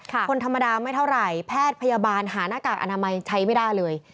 คนธรรมดาไม่เท่าไหร่แพทย์พยาบาลหาหน้ากากอนามัยใช้ไม่ได้เลย